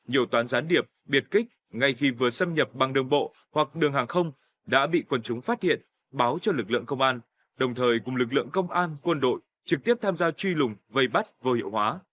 nhiều toán gián điệp biệt kích ngay khi vừa xâm nhập bằng đường bộ hoặc đường hàng không đã bị quần chúng phát hiện báo cho lực lượng công an đồng thời cùng lực lượng công an quân đội trực tiếp tham gia truy lùng vây bắt vô hiệu hóa